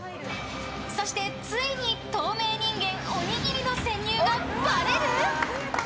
そしてついに透明人間おにぎりの潜入がばれる？